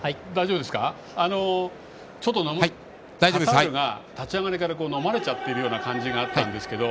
カタールが立ち上がりからのまれちゃってるような感じがあったんですけど